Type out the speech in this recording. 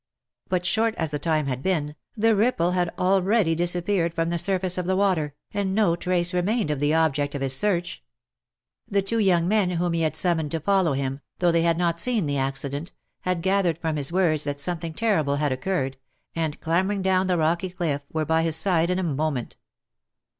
But, short as the time had been, the ripple had already disappeared from the surface of the water, and no trace remained of the object of his search. The two young men whom he had summoned to follow him, though they had not seen the accident, had gathered from his words that something terrible had occurred, and clambering down the rocky cliff, were by his side in a moment.